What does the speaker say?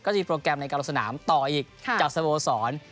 จะมีโปรแกรมในการลงสนามต่ออีกจากสโมสร